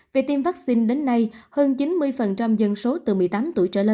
về tiêm vaccine đến nay hơn chín mươi dân số từ một mươi tám tuổi trở lên ở hà nội đã tiêm mũi ba nhắc lại